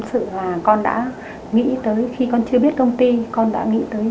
tức là trước khi tổ chức một đám cưới